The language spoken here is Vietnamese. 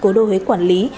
cố đô huế quản lý